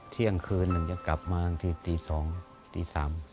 เที่ยงคืนหนึ่งจะกลับมาที่ตี๒ตี๓